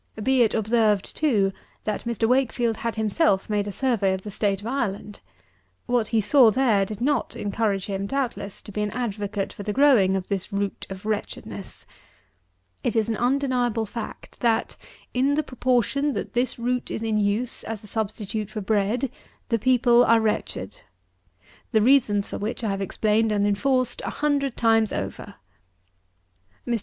Be it observed, too, that Mr. WAKEFIELD had himself made a survey of the state of Ireland. What he saw there did not encourage him, doubtless, to be an advocate for the growing of this root of wretchedness. It is an undeniable fact, that, in the proportion that this root is in use, as a substitute for bread, the people are wretched; the reasons for which I have explained and enforced a hundred times over. Mr.